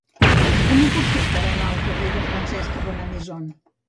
Com ho puc fer per anar al carrer de Francesca Bonnemaison?